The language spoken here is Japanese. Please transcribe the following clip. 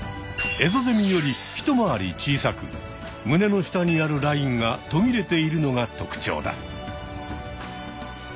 エゾゼミより一回り小さく胸の下にあるラインがとぎれているのがとくちょうだ。